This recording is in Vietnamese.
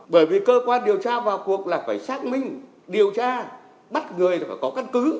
bởi vì cơ quan điều tra vào cuộc là phải xác minh điều tra bắt người là phải có căn cứ